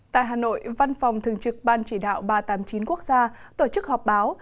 tại hà nội văn phòng thường trực ban chỉ đạo ba trăm tám mươi chín quốc gia tổ chức họp báo